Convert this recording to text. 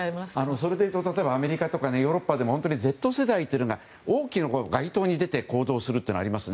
それでいうと例えばアメリカとかヨーロッパでも本当にＺ世代というのが街頭に出て行動するというのがありますね。